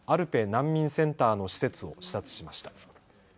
なんみんセンターの施設を視察しました。